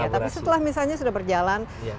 tapi setelah misalnya sudah berjalan